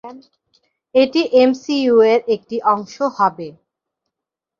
এটি এমসিইউ এর একটি অংশ হবে।